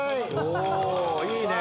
いいね。